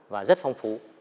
và rất phong phú